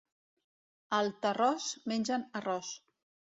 Al Tarròs mengen arròs.